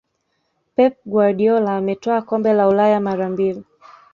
pep guardiola ametwaa kombe la ulaya mara mbili